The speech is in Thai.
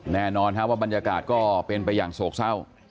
แน่นอนว่าบรรยากาศก็เป็นไปอย่างโศกเศร้า